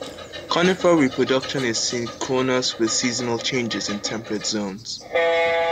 Conifer reproduction is synchronous with seasonal changes in temperate zones.